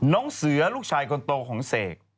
น้องเสือลูกชายคนโตของเสก